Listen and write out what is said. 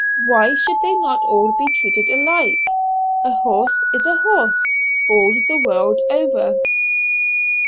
Why should they not all be treated alike? a horse is a horse all the world over."